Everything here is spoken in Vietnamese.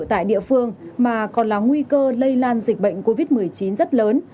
tại địa phương mà còn là nguy cơ lây lan dịch bệnh covid một mươi chín rất lớn